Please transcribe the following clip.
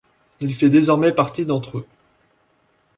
Il fait désormais partie d'entre eux.